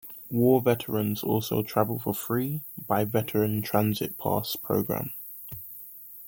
War veterans also travel for free by Veteran Transit Pass Program.